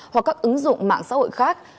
hoặc các ứng dụng mạng xã hội khác